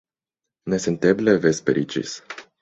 Nesenteble vesperiĝis.